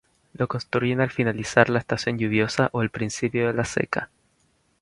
Lo construyen al finalizar la estación lluviosa o al principio de la seca.